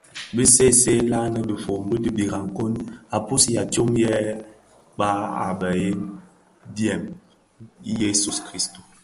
Bi ki seesee nlaň dhifombi di birakong kpusigha tsom yè tara kpag a bhëg dièm i Yesu Kristu,